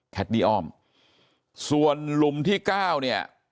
ดี้อมส่วนหลุมที่เก้าเนี่ย